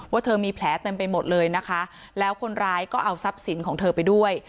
เธอมีแผลเต็มไปหมดเลยนะคะแล้วคนร้ายก็เอาทรัพย์สินของเธอไปด้วย